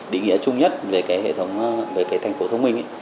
địa nghĩa chung nhất về thành phố thông minh